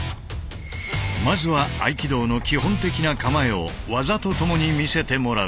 まずは合気道の基本的な構えを技とともに見せてもらう。